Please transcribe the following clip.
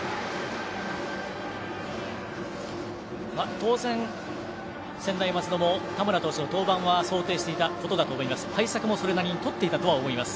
当然、専大松戸も田村投手の登板は想定していたことだと思います。